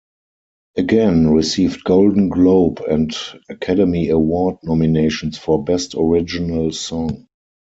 "Again" received Golden Globe and Academy Award nominations for Best Original Song.